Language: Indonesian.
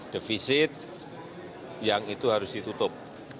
defisit yang itu harus ditutup